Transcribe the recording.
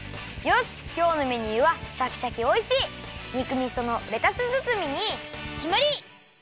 よしきょうのメニューはシャキシャキおいしい肉みそのレタス包みにきまり！